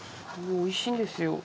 おいしいんですよ。